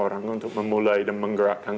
orang untuk memulai dan menggerakkan